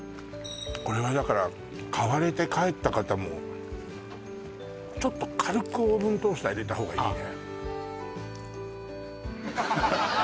これはだから買われて帰った方もちょっと軽くオーブントースター入れたほうがいいね